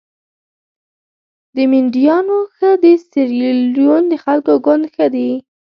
د مینډیانو ښه د سیریلیون د خلکو ګوند ښه دي.